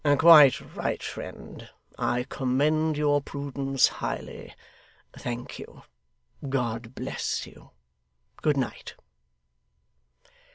Quite right, friend. I commend your prudence highly. Thank you. God bless you. Good night.